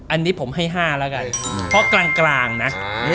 อันนี้ผมให้๕แล้วกันเพราะกลางนะ